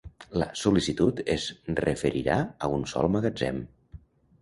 La sol·licitud es referirà a un sol magatzem.